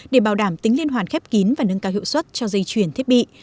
để bảo đảm tính liên hoàn khép kín và nâng cao hiệu suất cho dây chuyển thiết bị